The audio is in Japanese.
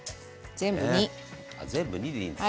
全部２でいいんです。